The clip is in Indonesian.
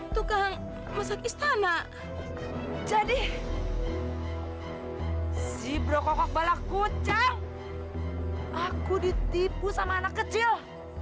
tukang masak istana jadi si bro kok bala kucang aku ditipu sama anak kecil